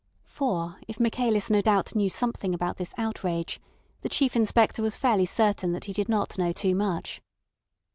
For, if Michaelis no doubt knew something about this outrage, the Chief Inspector was fairly certain that he did not know too much.